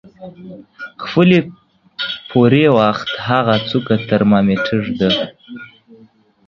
خپلې پورې وخت هغه څوکه ترمامیټر د